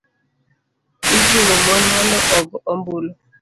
ijiwo mon mondo ogo ombulu.